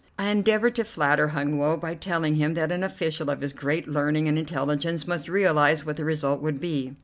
I endeavored to flatter Hun Woe by telling him that an official of his great learning and intelligence must realize what the result would be.